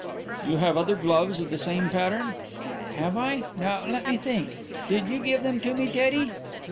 "You have other gloves of the same pattern?" "Have I? Now let me think! Did you give them to me, Teddy?"